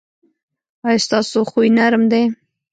ایا ستاسو خوی نرم دی؟